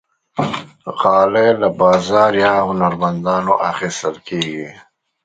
غالۍ له بازار یا هنرمندانو اخیستل کېږي.